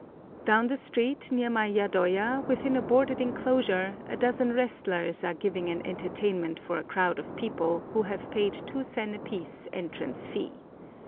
Down the street near my yadoya, within a boarded enclosure, a dozen wrestlers are giving an entertainment for a crowd of people who have paid two sen apiece entrance fee.